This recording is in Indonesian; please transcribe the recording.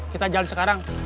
kita jalan sekarang